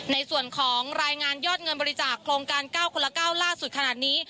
ในส่วนของรายงานยอดเงินบริจาคโครงการ๙คนละ๙ล่าสุดขนาดนี้